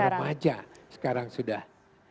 remaja sekarang sudah